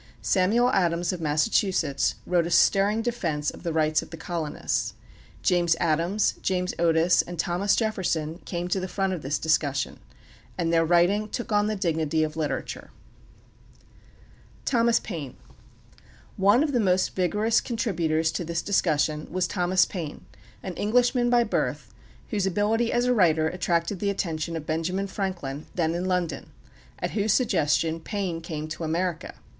Samuel Adams of Massachusetts wrote a stirring defense of the rights of the colonists. James Adams, James Otis, and Thomas Jefferson came to the front in this discussion; and their writing took on the dignity of literature. [Illustration: FRANKLIN] THOMAS PAINE One of the most vigorous contributors to this discussion was Thomas Paine, an Englishman by birth, whose ability as a writer attracted the attention of Benjamin Franklin, then in London, at whose suggestion Paine came to America.